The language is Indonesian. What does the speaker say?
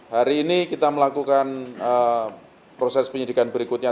hari ini kita melakukan proses penyidikan berikutnya